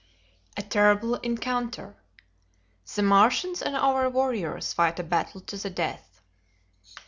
A Terrible Encounter. The Martians and Our Warriors Fight a Battle to the Death.